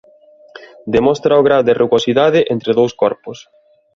Demostra o grao de rugosidade entre dous corpos.